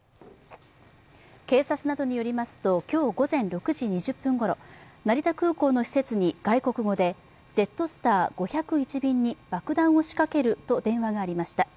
警察などによりますと、今日午前６時２０分ごろ成田空港の施設に外国語でジェットスター５０１便に爆弾を仕掛けると電話がありました。